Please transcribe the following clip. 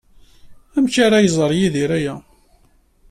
Amek ara iẓer Yidir aya?